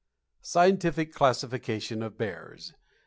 SCIENTIFIC CLASSIFICATION OF BEARS.